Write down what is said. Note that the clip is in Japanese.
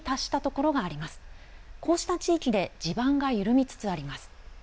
こうした地域で地盤が緩みつつあります。